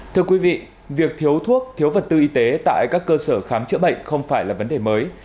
thưa quý vị việc thiếu thuốc thiếu vật tư y tế tại các cơ sở khám chữa bệnh không phải là vấn đề mới